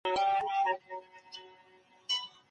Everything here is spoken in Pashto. څـپه، څپــه نه ده